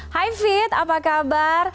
hai fit apa kabar